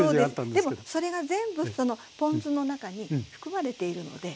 でもそれが全部そのポン酢の中に含まれているので。